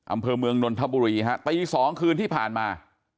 อำเภอเมืองนนทบุรีฮะตี๒คืนที่ผ่านมา